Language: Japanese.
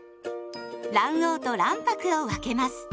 卵黄と卵白を分けます。